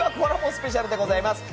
スペシャルでございます。